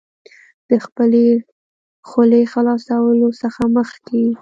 د خپلې خولې خلاصولو څخه مخکې